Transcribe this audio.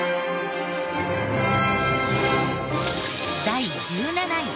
第１７位。